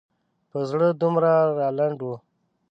په زړه دومره رالنډ و.